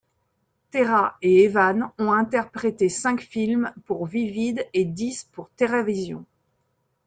Tera et Evan ont interprété cinq films pour Vivid et dix pour Teravision.